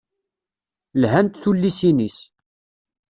Lhant tullisin-is.